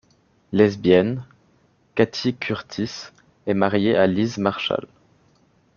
Lesbienne, Catie Curtis est mariée à Liz Marshall.